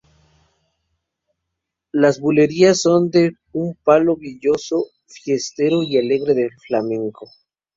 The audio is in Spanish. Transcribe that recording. Las bulerías son un palo bullicioso, fiestero y alegre del flamenco.